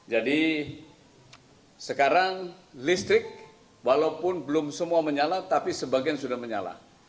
jadi sekarang listrik walaupun belum semua menyala tapi sebagian sudah menyala